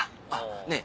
ねぇ